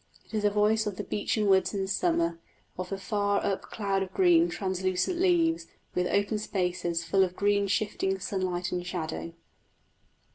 It is a voice of the beechen woods in summer, of the far up cloud of green, translucent leaves, with open spaces full of green shifting sunlight and shadow.